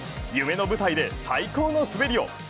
夢の舞台で最高の滑りを。